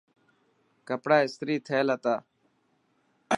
ڪپڙا استري ٿيل هتا.